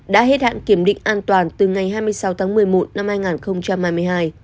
đã hết hạn kiểm định an toàn từ ngày hai mươi sáu tháng một mươi một năm hai nghìn hai mươi hai